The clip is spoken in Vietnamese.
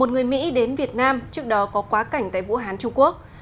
một người mỹ đến việt nam trước đó có quá cảnh tại vũ hán trung quốc